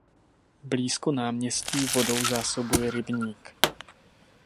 Blízko náměstí vodou zásobuje rybník.